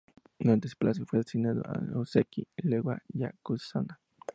Durante ese plazo fue ascendido a "ōzeki" y luego a "yokozuna".